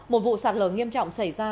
một vụ sạt lở nghiêm trọng xảy ra